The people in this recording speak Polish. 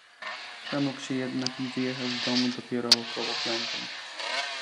"Przemógł się jednak i wyjechał z domu dopiero około piątej."